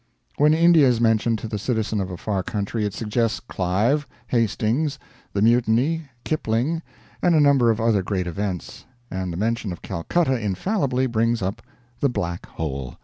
When India is mentioned to the citizen of a far country it suggests Clive, Hastings, the Mutiny, Kipling, and a number of other great events; and the mention of Calcutta infallibly brings up the Black Hole.